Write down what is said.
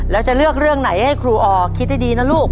แล้วจะเลือกเรื่องไหนให้ครูออคิดให้ดีนะลูก